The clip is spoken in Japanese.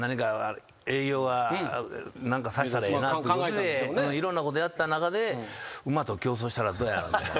営業が何かさせたらええなっていうことでいろんなことやった中で馬と競走したらどやろ？みたいな。